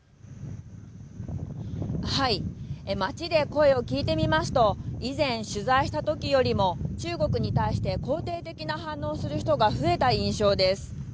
街で声を聞いてみますと以前、取材した時よりも中国に対して肯定的な反応をする人が増えた印象です。